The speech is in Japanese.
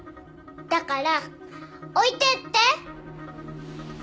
だから置いてって